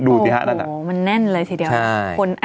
โอ้โหมันแน่นเลยเสียเดียวคนอ้างน่ะ